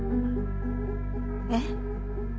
えっ？